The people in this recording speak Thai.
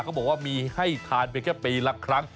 เขาบอกว่ามีให้ทานไปแค่ปีละครั้ง